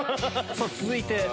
さぁ続いて。